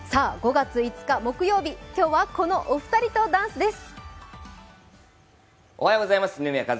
５月５日木曜日、今日はこのお二人とダンスです。